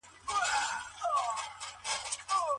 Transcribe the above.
که مینه ورکړل سي نو ماشوم مثبت غبرګون ښیي.